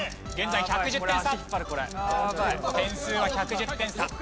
現在１１０点差。